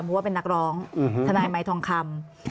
เพราะว่าเป็นนักร้องทนายไม้ทองคำ